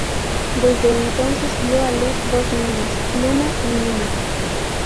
Desde entonces dio a luz dos niñas, Luna y Nina.